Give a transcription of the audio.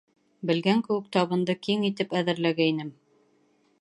Белгән кеүек табынды киң итеп әҙерләгәйнем.